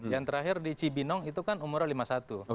yang terakhir di cibinong itu kan umurnya lima puluh satu